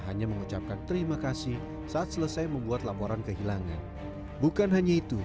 hanya mengucapkan terima kasih saat selesai membuat laporan kehilangan bukan hanya itu